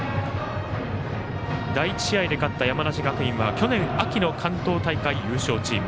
第１試合で勝った山梨学院は去年、秋の関東大会優勝チーム。